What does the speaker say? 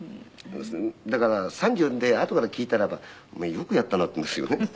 だから３０ってあとから聞いたらば「お前よくやったな」って言うんですよね。